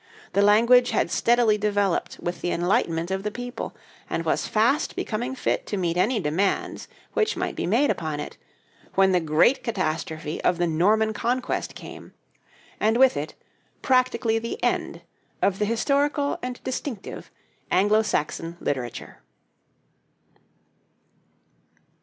The language had steadily developed with the enlightenment of the people, and was fast becoming fit to meet any demands that might be made upon it, when the great catastrophe of the Norman Conquest came, and with it practically the end of the historical and distinctive Anglo Saxon literature.